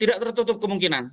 tidak tertutup kemungkinan